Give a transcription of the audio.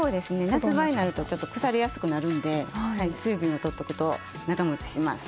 夏場になるとちょっと腐りやすくなるんで水分を取っとくと長もちします。